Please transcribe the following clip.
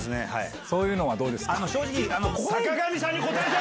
そういうのはどうですか？